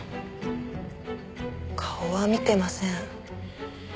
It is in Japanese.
顔は見てません。